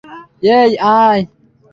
এই, আয়।